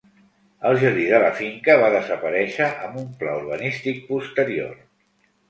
El jardí de la finca va desaparèixer amb un pla urbanístic posterior.